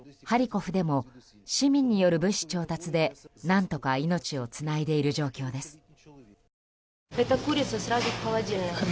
ハリコフでも市民による物資調達で、何とか命をつないでいる状況です。